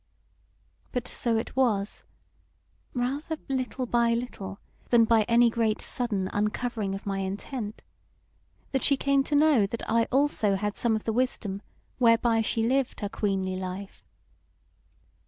But so it was (rather little by little than by any great sudden uncovering of my intent), that she came to know that I also had some of the wisdom whereby she lived her queenly life.